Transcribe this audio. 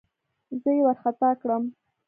زه يې وارخطا کړم.